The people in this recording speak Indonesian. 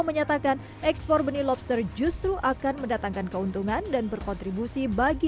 menyatakan ekspor benih lobster justru akan mendatangkan keuntungan dan berkontribusi bagi